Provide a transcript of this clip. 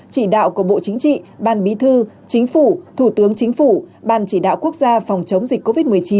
chỉ đạo của bộ chính trị ban bí thư chính phủ thủ tướng chính phủ ban chỉ đạo quốc gia phòng chống dịch covid một mươi chín